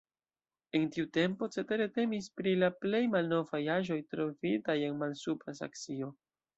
En tiu tempo cetere temis pri la plej malnovaj aĵoj trovitaj en Malsupra Saksio.